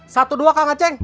satu dua kang acing